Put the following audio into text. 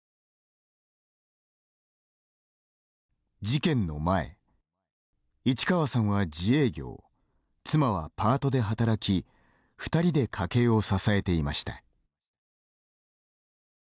事件の前、市川さんは自営業妻はパートで働き２人で家計を支えていました。